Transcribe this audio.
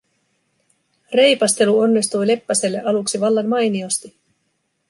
Reipastelu onnistui Leppäselle aluksi vallan mainiosti.